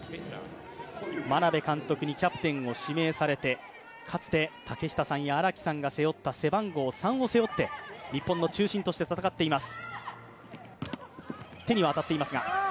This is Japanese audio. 眞鍋監督にキャプテンを指名されて、かつて竹下さんや荒木さんが背負って背番号３を背負って日本の中心として戦っています。